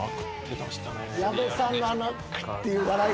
矢部さんのあのくっていう笑い。